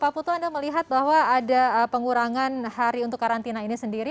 pak putu anda melihat bahwa ada pengurangan hari untuk karantina ini sendiri